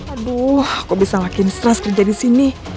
aduh kok bisa lagi seras kerja disini